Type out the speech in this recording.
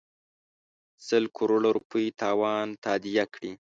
سل کروړه روپۍ تاوان تادیه کړي.